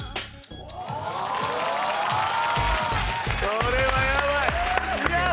これはヤバい！